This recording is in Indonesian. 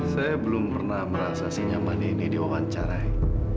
saya belum pernah merasa sinyaman ini diwawancarai